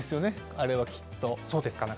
あれは、きっと。